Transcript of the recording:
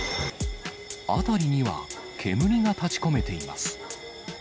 辺りには煙が立ちこめています。